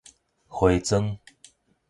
花磚